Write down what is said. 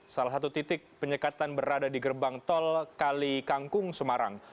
salah satu titik penyekatan berada di gerbang tol kali kangkung semarang